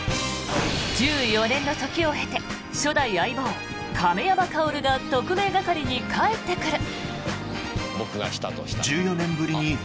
１４年の時を経て初代相棒・亀山薫が特命係に帰ってくる！